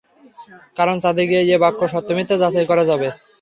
কারণ চাঁদে গিয়ে এ-বাক্যের সত্য-মিথ্যা যাচাই করা যাবে।